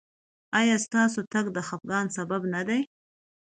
ایا ستاسو تګ د خفګان سبب نه دی؟